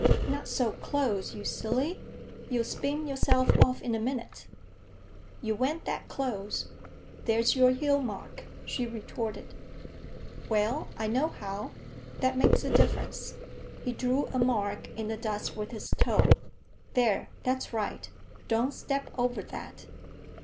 "Not so close, you silly! You'll spin yourself off in a minute." "You went that close. There's your heel mark," she retorted. "Well, I know how. That makes a difference." He drew a mark in the dust with his toe. "There, that's right. Don't step over that.